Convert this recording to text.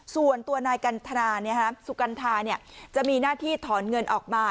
ส่วนตัวนายสุกรรณฐาเนี่ยจะมีหน้าที่ถอนเงินออกมา